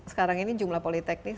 sekarang ini jumlah politeknik